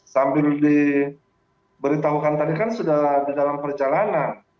sambil diberitahukan tadi kan sudah di dalam perjalanan